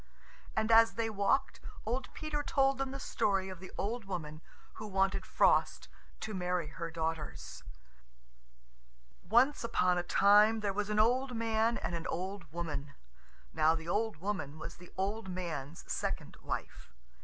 And as they walked, old Peter told them the story of the old woman who wanted Frost to marry her daughters. Once upon a time there were an old man and an old woman. Now the old woman was the old man's second wife.